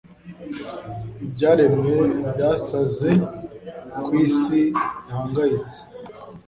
ibyaremwe byasaze ko isi ihangayitse